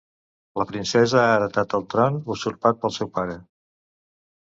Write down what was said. La Princesa ha heretat el tron usurpat pel seu pare.